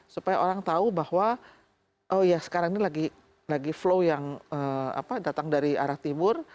supaya orang tahu bahwa oh ya sekarang ini lagi flow yang datang dari arah timur